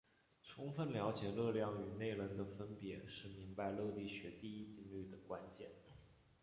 充分了解热量与内能的分别是明白热力学第一定律的关键。